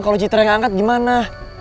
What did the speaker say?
kalau citra yang angkat gimana